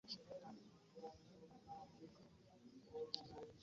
Oyo gwolaba yatuggyirayo ejjambiya.